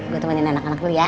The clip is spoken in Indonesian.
gue temenin anak anak lu ya